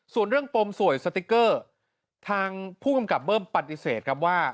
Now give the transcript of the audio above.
ส่วนเรื่องปมสวยสติ๊กเกอร์ทางผู้กำกับเบิ้มปฏิเสธครับว่า